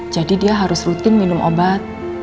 jadi dia harus rutin minum obat